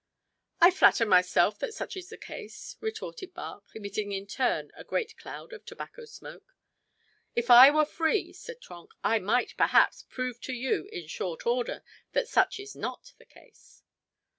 "I flatter myself that such is the case," retorted Bach, emitting in turn a great cloud of tobacco smoke. "If I were free," said Trenck, "I might, perhaps, prove to you in short order that such is not the case."